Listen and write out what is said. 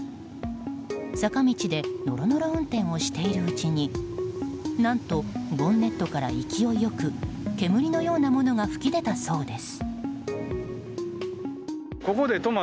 坂道でノロノロ運転をしているうちに何とボンネットから勢い良く煙のようなものが噴き出たそうです。